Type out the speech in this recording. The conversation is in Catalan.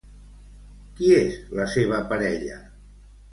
Qui és la seva parella?